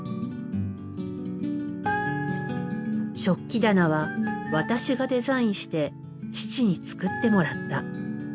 食器棚は私がデザインして父に作ってもらった。